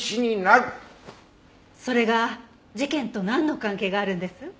それが事件となんの関係があるんです？